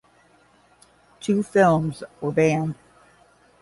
Two films were banned.